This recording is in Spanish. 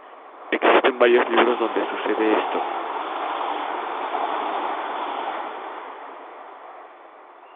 Existen varios libros donde sucede esto.